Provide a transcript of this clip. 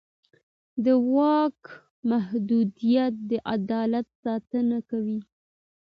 د واک محدودیت د عدالت ساتنه کوي